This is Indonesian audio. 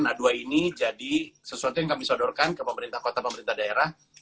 nah dua ini jadi sesuatu yang kami sodorkan ke pemerintah kota pemerintah daerah